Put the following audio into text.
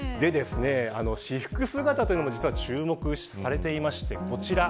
私服姿というのも、実は注目されていましてこちら。